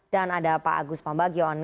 dan ada pak agus pambagio